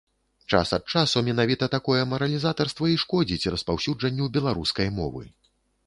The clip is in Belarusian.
Час ад часу менавіта такое маралізатарства і шкодзіць распаўсюджанню беларускай мовы.